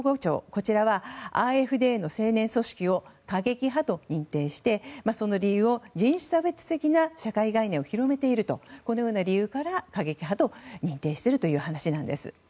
こちらはＡｆＤの青年組織を過激派と認定してその理由を人種差別的な社会概念を広めているとこのような理由から過激派に認定しているという話です。